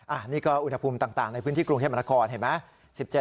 อันนี้ก็อุณหภูมิต่างในพื้นที่กรุงเทพมนาคอนเห็นไหม